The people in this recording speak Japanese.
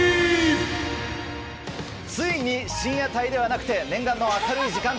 ついに深夜帯ではなくて念願の明るい時間帯！